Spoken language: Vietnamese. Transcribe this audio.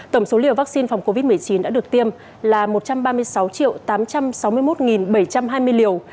tổng số liều vaccine phòng covid một mươi chín đã được tiêm là một trăm ba mươi sáu tám trăm sáu mươi một bảy trăm hai mươi liều